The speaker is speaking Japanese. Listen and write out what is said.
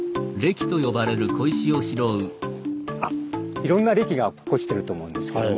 いろんな礫が落ちてると思うんですけども。